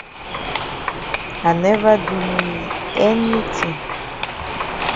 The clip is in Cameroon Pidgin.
I never do me yi anytin.